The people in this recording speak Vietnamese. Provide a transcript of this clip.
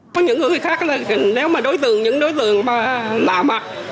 có những người khác nếu mà đối tượng những đối tượng lạ mặt